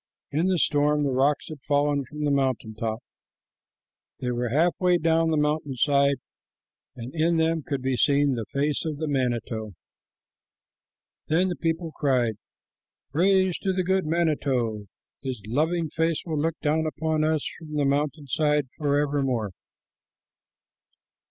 In the storm the rocks had fallen from the mountain top. They were halfway down the mountain side, and in them could be seen the face of the manito. Then the people cried, "Praise to the good manito! His loving face will look down upon us from the mountain side forever more."